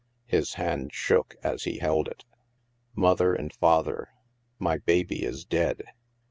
His hand shook as he held it. " Mother and Father, *' My baby is dead.